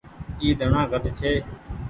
اي ڌڻآ گھٽ ڇي۔